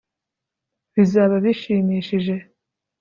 bizaba bishimishije